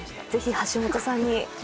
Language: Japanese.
ぜひ橋本さんに。